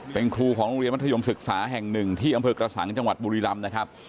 เป็นครูของโรงเรียนมัธยมศึกษาแห่งหนึ่งที่อำเภอกระสังจังหวัดบุรีรำนะครับ